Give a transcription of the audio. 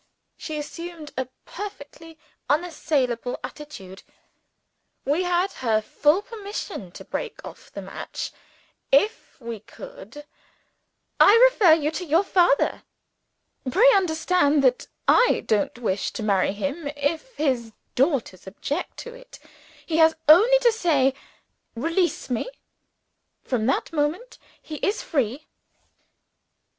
She assumed a perfectly unassailable attitude: we had her full permission to break off the match if we could. "I refer you to your father. Pray understand that I don't wish to marry him, if his daughters object to it. He has only to say, 'Release me.' From that moment he is free."